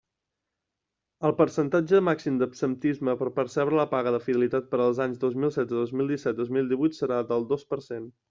El percentatge màxim d'absentisme per percebre la paga de fidelitat per als anys dos mil setze, dos mil disset, dos mil divuit serà del dos per cent.